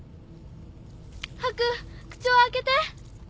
ハク口を開けて。